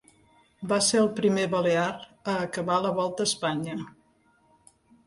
Va ser el primer balear a acabar la Volta a Espanya.